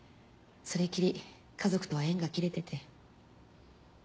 それっきり家族とは縁が切れてて。